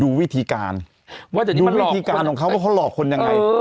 ดูวิธีการว่าจะดูวิธีการของเขาว่าเขาหลอกคนยังไง